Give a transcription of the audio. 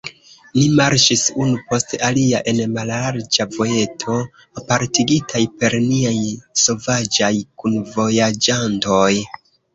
Ni marŝis unu post alia en mallarĝa vojeto, apartigitaj per niaj sovaĝaj kunvojaĝantoj.